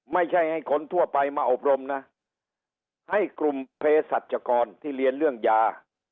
ไม่ใช่ให้คนทั่วไปมาอบรมนะให้กลุ่มเพศสัจกรที่เรียนเรื่องยา